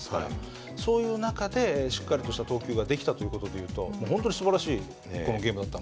そういう中でしっかりとした投球ができたという事でいうと本当にすばらしいゲームだった。